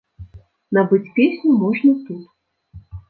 Набыць песню можна тут.